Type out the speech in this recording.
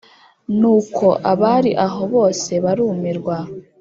ni uko abari aho bose barumirwa,